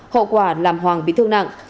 hậu quả làm hoàng bị thương nặng